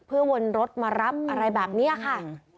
เพื่อวนรถมารับอะไรแบบนี้ค่ะ